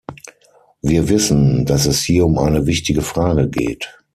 Wir wissen, dass es hier um eine wichtige Frage geht.